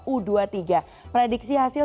u dua puluh tiga prediksi hasil